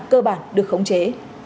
cơ bản được khống chế